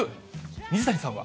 水谷さんは？